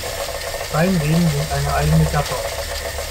Weinreben sind eine eigene Gattung.